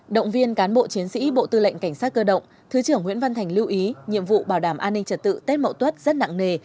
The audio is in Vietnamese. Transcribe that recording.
động viên cán bộ chiến sĩ bộ tư lệnh cảnh sát cơ động thứ trưởng nguyễn văn thành lưu ý nhiệm vụ bảo đảm an ninh trật tự tết mậu tuất rất nặng nề